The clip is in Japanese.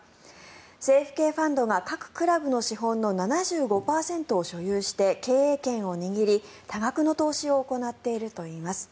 政府系ファンドが各クラブの資本の７５％を所有して経営権を握り、多額の投資を行っているといいます。